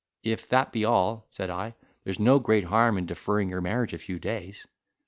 "If that be all," said I, "there's no great harm in deferring your marriage a few days."